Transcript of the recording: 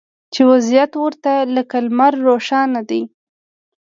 چې وضعیت ورته لکه لمر روښانه دی